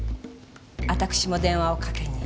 私も電話をかけに。